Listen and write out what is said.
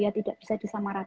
tidak bisa disamaratakan